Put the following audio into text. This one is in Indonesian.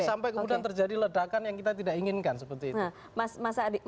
sampai kemudian terjadi ledakan yang kita tidak inginkan seperti itu